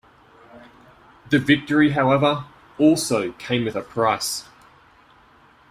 The victory however, also came with a price.